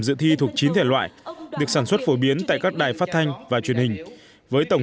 dự thi thuộc chín thể loại được sản xuất phổ biến tại các đài phát thanh và truyền hình với tổng